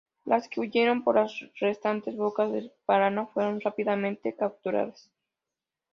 Las que huyeron por las restantes bocas del Paraná fueron rápidamente capturadas.